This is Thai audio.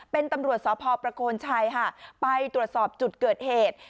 เป็นตำรวจสพประโคนชัยค่ะไปตรวจสอบจุดเกิดเหตุ